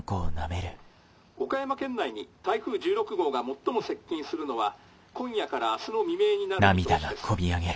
岡山県内に台風１６号が最も接近するのは今夜から明日の未明になる見通しです」。